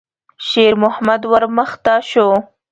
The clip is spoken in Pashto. شېرمحمد ور مخته شو.